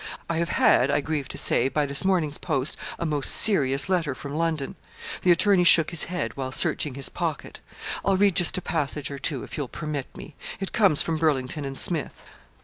I have had, I grieve to say, by this morning's post a most serious letter from London;' the attorney shook his head, while searching his pocket. 'I'll read just a passage or two if you'll permit me; it comes from Burlington and Smith.